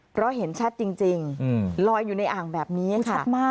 เพราะเห็นชัดจริงลอยอยู่ในอ่างแบบนี้ชัดมาก